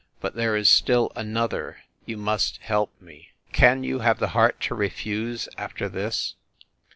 . but there is still another ... you must help me ... can you have the heart to refuse, after this?